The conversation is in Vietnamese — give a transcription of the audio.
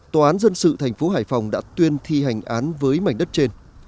tòa án dân sự thành phố hải phòng đã tuyên thi hành án với mảnh đất trên